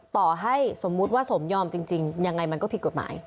ต่อให้สมมุติว่าสมยอมจริงยังไงมันก็ผิดกฎหมาย